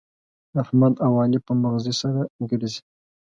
احمد او علي په مغزي سره ګرزي.